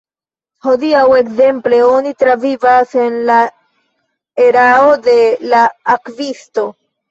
Hodiaŭ, ekzemple, oni travivas en la erao de la Akvisto.